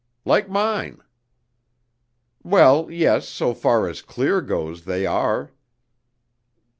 "Like mine." "Well, yes, so far as clear goes they are."